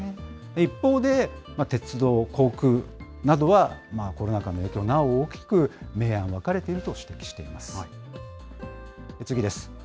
一方で鉄道、航空などは、コロナ禍の影響をなお大きく、明暗分かれていると指摘しています。